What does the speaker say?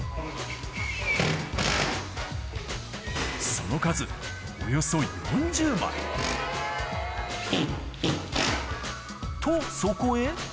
その数、およそ４０枚。と、そこへ。